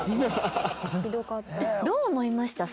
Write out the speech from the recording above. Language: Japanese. どう思いました？